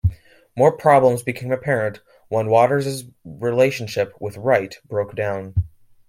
More problems became apparent when Waters's relationship with Wright broke down.